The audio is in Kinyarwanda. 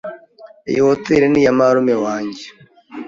Iyi hoteri ni iya muramu wanjye.